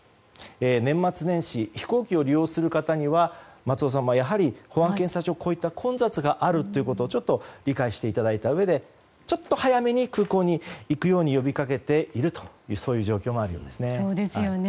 年末年始に飛行機を利用する方には保安検査場の混雑があるということをちょっと理解していただいたうえ早めに空港に行くように呼びかけているというそういう状況があるようですね。